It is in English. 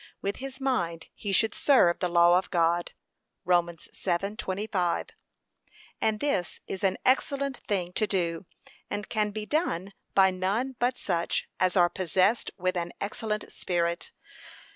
'With his mind he should serve the law of God.' (Rom. 7:25) And this is an excellent thing to do, and can be done by none but such as are possessed with an excellent spirit.